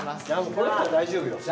この人は大丈夫よ。